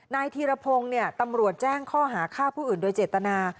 ธีรพงศ์ตำรวจแจ้งข้อหาฆ่าผู้อื่นโดยเจตนา